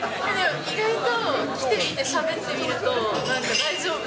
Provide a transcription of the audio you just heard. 意外と来てみて、しゃべってみると、なんか大丈夫。